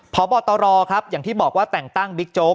พบตรครับอย่างที่บอกว่าแต่งตั้งบิ๊กโจ๊ก